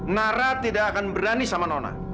nara tidak akan berani sama nona